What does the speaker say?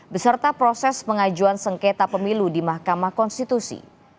beserta proses pengajuan sengketa pemilu di mahkamah konstitusi